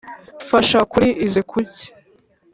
fasha kuri izi kuki.